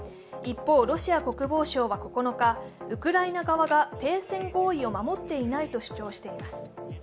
一方、ロシア国防省は９日、ウクライナ側が停戦合意を守っていないと主張しています。